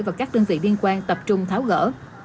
và các đơn vị liên quan tập trung tháo gỡ